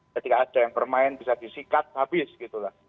ketika ada yang bermain bisa disikat habis gitu lah